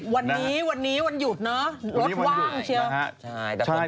วันนี้วันนี้วันหยุดเนอะรถว่างเชียว